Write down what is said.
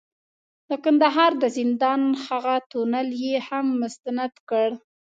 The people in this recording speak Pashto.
د کندهار د زندان هغه تونل یې هم مستند کړ،